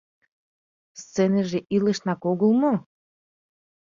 Сценыже илышнак огыл мо?